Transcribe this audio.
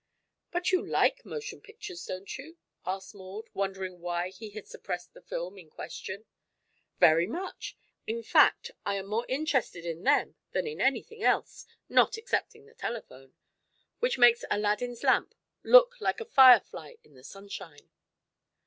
"But you like motion pictures, don't you?" asked Maud, wondering why he had suppressed the film in question. "Very much. In fact, I am more interested in them than in anything else, not excepting the telephone which makes Aladdin's lamp look like a firefly in the sunshine."